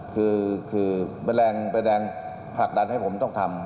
คือเป็นแรงผลักดันให้ผมต้องทำ